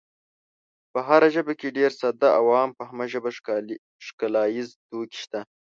په هره ژبه کې ډېر ساده او عام فهمه ژب ښکلاییز توکي شته.